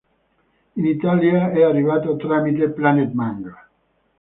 In Italia è arrivato tramite Planet Manga.